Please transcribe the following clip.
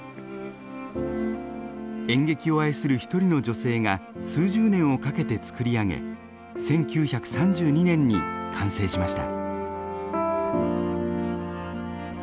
演劇を愛する一人の女性が数十年をかけてつくり上げ１９３２年に完成しました。